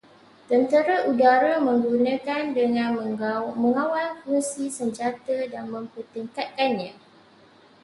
Tentera udara menggunakan dengan mengawal fungsi senjata dan mempertingkatkannya